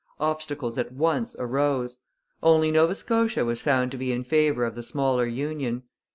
Obstacles at once arose. Only Nova Scotia was found to be in favour of the smaller union.